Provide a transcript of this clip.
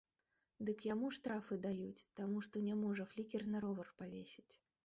Дык яму штрафы даюць, таму што не можа флікер на ровар павесіць.